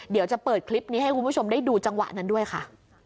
เดี๋ยวจะเปิดคลิปนี้ให้คุณผู้ชมได้ดูจังหวะนั้นด้วยค่ะ